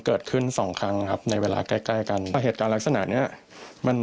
เกิดขึ้นสองครั้งครับในเวลาใกล้ใกล้กันแต่เหตุการณ์ลักษณะเนี้ยมัน